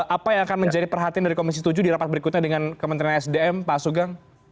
apa yang akan menjadi perhatian dari komisi tujuh di rapat berikutnya dengan kementerian sdm pak sugeng